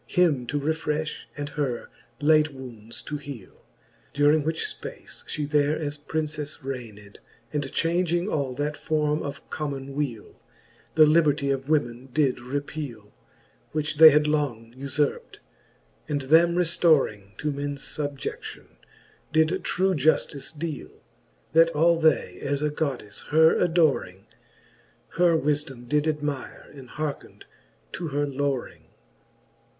Him to refrefli, and her late wounds to heale : During which fpace (he there as Princefs rained, And changing all that forme of common weale, The liberty of women did repeale, Which they had long ufurpt; and them reftoring To mens fubje(9:ion, did true juftice deale : That all they as a Goddelfe her adoring, Her wifedome did admire, and hearkned to her loring.